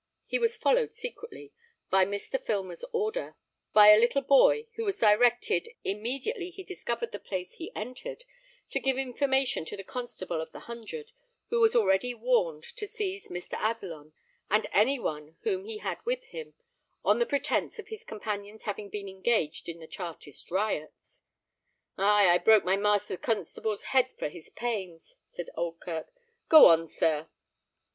He was followed secretly, by Mr. Filmer's order, by a little boy, who was directed, immediately he discovered the place he entered, to give information to the constable of the hundred, who was already warned to seize Mr. Adelon and any one whom he had with him, on the pretence of his companions having been engaged in the Chartist riots." "Ay, I broke master constable's head for his pains," said Oldkirk. "Go on, sir."